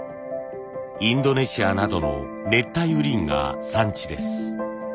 インドネシアなどの熱帯雨林が産地です。